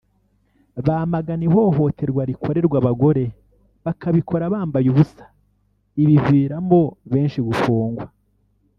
bamagana ihohoterwa rikorerwa abagore bakabikora bambaye ubusa ibiviramo benshi gufungwa